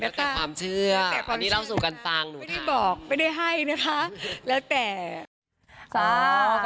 แล้วแต่ความเชื่ออันนี้เล่าสู่กันฟังหนูถาม